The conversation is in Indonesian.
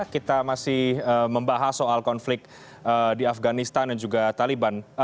kita masih membahas soal konflik di afganistan dan juga taliban